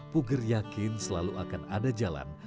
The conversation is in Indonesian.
puger yakin selalu akan ada jalan